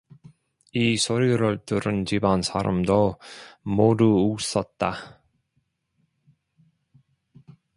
이 소리를 들은 집안 사람은 모두 웃었다.